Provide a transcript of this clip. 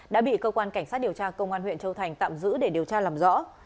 đã bị cơ quan cảnh sát điều tra công an huyện châu thành tạm giữ để điều tra làm rõ